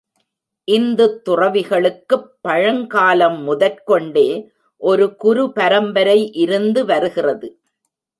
இந்தத் துறவிகளுக்குப் பழங்காலம் முதற் கொண்டே ஒரு குரு பரம்பரை இருந்து வருகிறது.